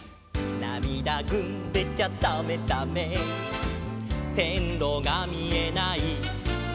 「なみだぐんでちゃだめだめ」「せんろがみえない」